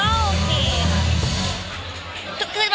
มันเหมือนกับมันเหมือนกับมันเหมือนกับ